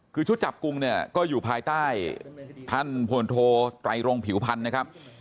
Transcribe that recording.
คือชุดจับกลุ่มเนี่ยก็อยู่ภายใต้ท่านพลโทไตรรงผิวพันธ์นะครับ